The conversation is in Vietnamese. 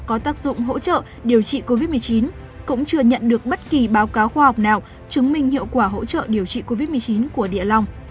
có tác dụng hỗ trợ điều trị covid một mươi chín cũng chưa nhận được bất kỳ báo cáo khoa học nào chứng minh hiệu quả hỗ trợ điều trị covid một mươi chín của địa long